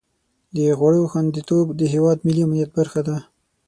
د خوړو خوندیتوب د هېواد ملي امنیت برخه ده.